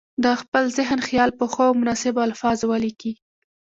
د خپل ذهن خیال په ښو او مناسبو الفاظو ولیکي.